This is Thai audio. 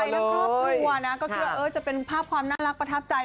ทั้งครอบครัวนะก็คิดว่าจะเป็นภาพความน่ารักประทับใจ